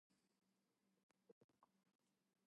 Then he did his doctorate.